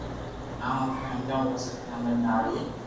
يا ھون ٿني ھمجاوُ پسي ٿني ھمج آوئي